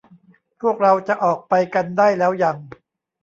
พวกเราจะออกไปกันได้แล้วยัง